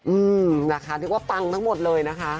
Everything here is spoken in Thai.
อืมน่ะค่ะนึกว่าตังค์ทั้งหมดเลยนะคะ